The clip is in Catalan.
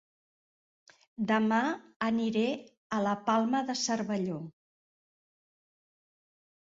Dema aniré a La Palma de Cervelló